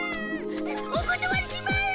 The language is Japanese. おことわりします！